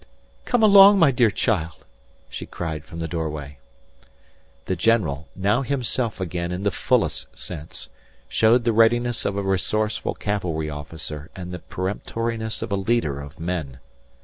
"Come along, my dear child," she cried from the doorway. The general, now himself again in the fullest sense, showed the readiness of a resourceful cavalry officer and the peremptoriness of a leader of men.